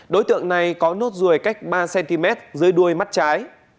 đối tượng này có nốt ruồi cách ba cm dưới đuôi mắt trái